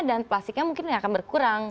dan plastiknya mungkin akan berkurang